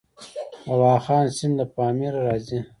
د واخان سیند له پامیر راځي